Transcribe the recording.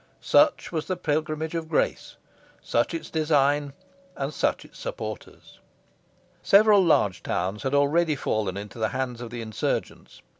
Such was the Pilgrimage of Grace, such its design, and such its supporters. Several large towns had already fallen into the hands of the insurgents.